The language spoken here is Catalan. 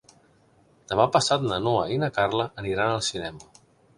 Demà passat na Noa i na Carla aniran al cinema.